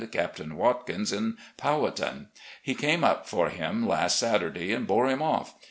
Captain Watkins, in Powhatan. He came up for him last Saturday, and bore him off.